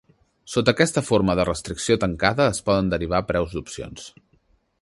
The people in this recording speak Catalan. Sota aquesta forma de restricció tancada es poden derivar preus d'opcions.